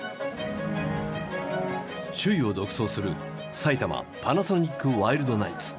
首位を独走する埼玉パナソニックワイルドナイツ。